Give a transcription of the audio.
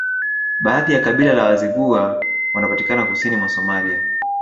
Baadhi ya kabila la Wazigula wanapatikana kusini mwa Somalia